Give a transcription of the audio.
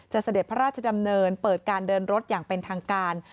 เสด็จพระราชดำเนินเปิดการเดินรถอย่างเป็นทางการ